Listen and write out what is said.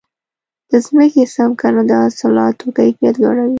د ځمکې سم کرنه د حاصلاتو کیفیت لوړوي.